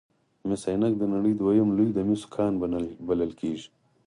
مس عینک د نړۍ دویم لوی د مسو کان بلل کیږي.